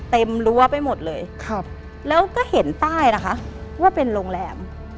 รั้วไปหมดเลยครับแล้วก็เห็นใต้นะคะว่าเป็นโรงแรม